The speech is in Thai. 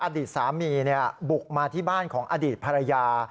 อดีตสามีบุกมาที่บ้านของอดีตภรรยา